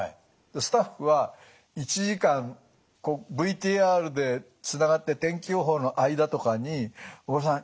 スタッフは１時間ＶＴＲでつながって天気予報の間とかに「小倉さん